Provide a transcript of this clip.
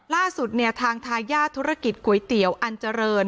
ล่าสุดเนี่ยทางทายาทธุรกิจก๋วยเตี๋ยวอันเจริญ